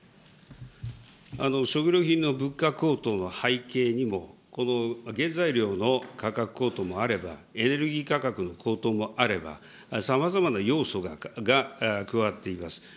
食料品の物価高騰の背景にも、原材料の価格高騰もあれば、エネルギー価格の高騰もあれば、さまざまな要素が加わっています。